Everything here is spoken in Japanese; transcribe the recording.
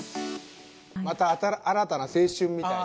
また新たな青春みたいな。